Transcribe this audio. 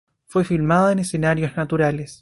Fue filmada en escenarios naturales.